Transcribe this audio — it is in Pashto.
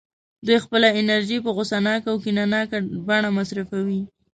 دوی خپله انرژي په غوسه ناکه او کینه ناکه بڼه مصرفوي